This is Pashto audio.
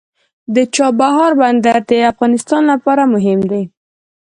د چابهار بندر د افغانستان لپاره مهم دی.